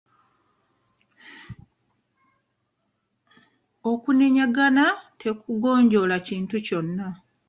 Okunenyagana tekigonjoola kintu kyonna.